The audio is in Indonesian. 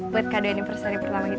buat kado anniversary pertama kita